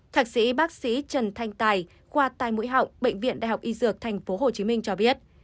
thạc sĩ bác sĩ trần thanh tài khoa tai mũi họng bệnh viện đại học y dược tp hcm cho biết